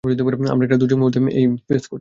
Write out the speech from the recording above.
আমরা একটা দুর্যোগ এই মুহূর্তে ফেস করছি!